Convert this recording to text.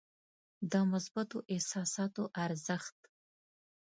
د مثبتو احساساتو ارزښت.